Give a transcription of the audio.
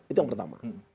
itu yang pertama